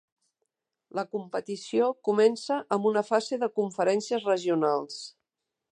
La competició comença amb una fase de conferències regionals.